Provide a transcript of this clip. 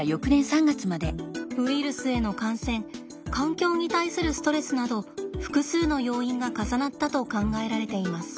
ウイルスへの感染環境に対するストレスなど複数の要因が重なったと考えられています。